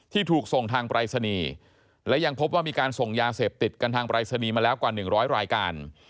ถูกส่งทางปรายศนีย์และยังพบว่ามีการส่งยาเสพติดกันทางปรายศนีย์มาแล้วกว่า๑๐๐รายการ